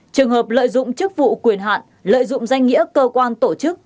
trường hợp lợi dụng chức vụ quyền hạn lợi dụng danh nghĩa cơ quan tổ chức